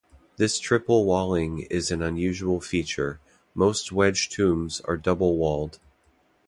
This triple-walling is an unusual feature; most wedge tombs are double-walled.